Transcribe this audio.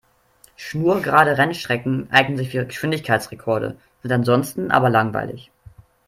Schnurgerade Rennstrecken eignen sich für Geschwindigkeitsrekorde, sind ansonsten aber langweilig.